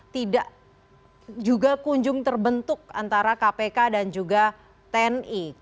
tidak juga kunjung terbentuk antara kpk dan juga tni